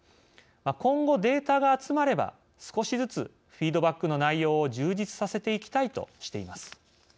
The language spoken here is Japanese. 今後、データが集まれば少しずつフィードバックの内容を充実させていきたい」としています。